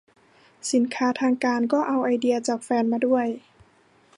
สินค้าทางการก็เอาไอเดียจากแฟนมาด้วย